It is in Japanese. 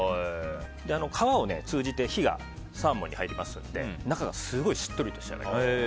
皮から火がサーモンに入りますので中が、すごいしっとりと仕上がります。